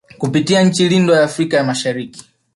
Kupitia nchi lindwa ya Afrika ya mashariki